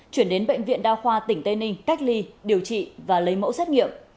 chuyển đến bệnh viện đa khoa tỉnh tây ninh cách ly điều trị và lấy mẫu xét nghiệm